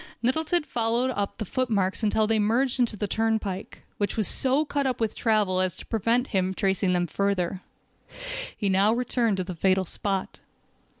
Nettleton followed up the footmarks until they merged into the turnpike, which was so cut up with travel as to prevent him tracing them further. He now returned to the fatal spot.